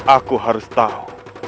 aku harus tahu